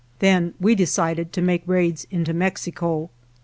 Then we decided to make raids into Mexico.